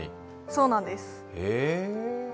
そうなんです。